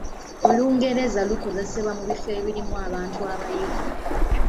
Olungereza lukozesebwa mu bifo ebirimu abantu abayivu.